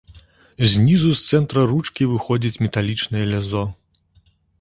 Знізу з цэнтра ручкі выходзіць металічнае лязо.